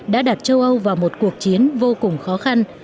đã đặt châu âu vào một cuộc chiến vô cùng khó khăn